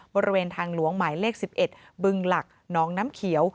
บริเวณทางหลวงหมายเลข๑๑บึงหลักน้องน้ำเขียว